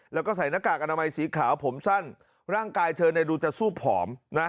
แล้วก็ใส่หน้ากากอนามัยสีขาวผมสั้นร่างกายเธอดูจะสู้ผอมนะ